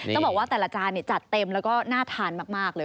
ต้องบอกว่าแต่ละจานจัดเต็มแล้วก็น่าทานมากเลย